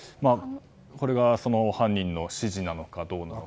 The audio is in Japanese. これは犯人の指示なのかどうか。